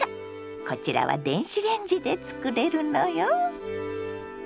こちらは電子レンジで作れるのよ。